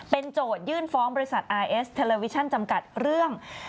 โจทยื่นฟ้องบริษัทอาร์เอสเทลเลอร์วิชั่นจำกัดเรื่อง